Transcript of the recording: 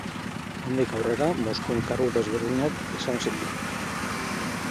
Handik aurrera, Moskun kargu desberdinak izan zituen.